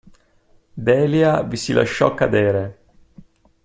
Delia vi si lasciò cadere.